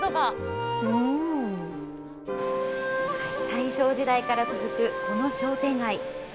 大正時代から続くこの商店街。